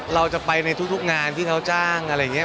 เราจะไปในทุกงานที่เขาจ้างอะไรอย่างนี้